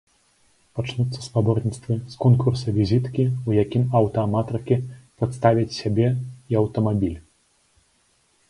Пачнуцца спаборніцтвы з конкурса-візіткі, у якім аўтааматаркі прадставяць сябе і аўтамабіль.